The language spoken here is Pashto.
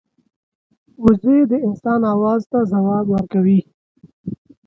وزې د انسان آواز ته ځواب ورکوي